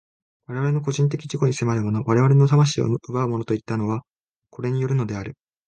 我々の個人的自己に迫るもの、我々の魂を奪うものといったのは、これによるのである。